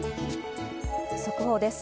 速報です。